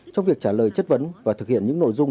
trong việc trả lời chất vấn và thực hiện những nội dung